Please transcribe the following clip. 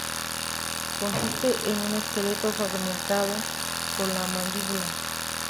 Consiste de un esqueleto fragmentado con la mandíbula.